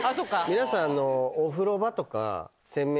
皆さん。